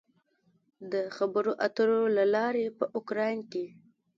د خبرو اترو له لارې په اوکراین کې